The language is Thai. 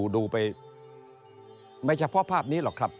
ดูไปไม่เฉพาะภาพนี้หรอกครับ